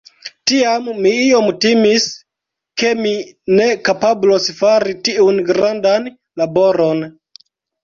Tiam mi iom timis, ke mi ne kapablos fari tiun grandan laboron.